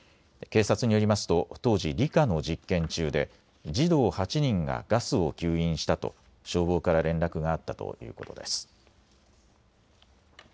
警察によりますと当時、理科の実験中で児童８人がガスを吸引したと消防から連絡があったということです。